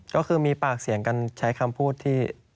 ก็คือมีปากเสียงกันใช้คำพูดที่